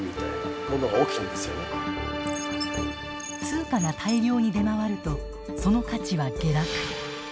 通貨が大量に出回るとその価値は下落。